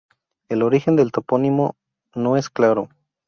El origen del topónimo no es claro.